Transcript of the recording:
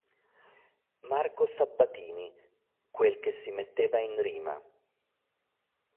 Marco Sabbatini, "Quel che si metteva in rima.